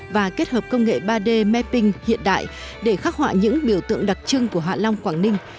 và kết hợp công nghệ ba d mapping hiện đại để khắc họa những biểu tượng đặc trưng của hạ long quảng ninh